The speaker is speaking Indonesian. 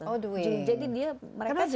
jadi dia mereka juga